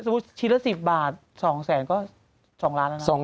ชิ้นละ๑๐บาท๒แสนก็๒ล้านแล้วนะ